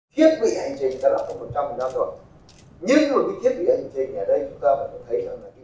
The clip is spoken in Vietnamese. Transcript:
cơ quan chức năng cần vào cuộc để tìm hiểu rõ nguyên nhân và sớm khắc phục vấn đề này